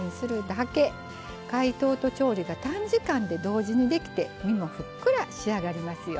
解凍と調理が短時間で同時にできて身もふっくら仕上がりますよ。